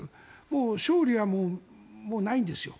もう勝利はないんですよ。